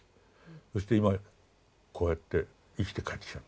そして今こうやって生きて帰ってきたんだ。